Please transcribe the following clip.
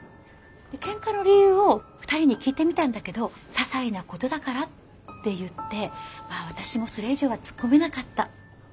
喧嘩の理由を２人に聞いてみたんだけど「ささいなことだから」って言ってまあ私もそれ以上は突っ込めなかった。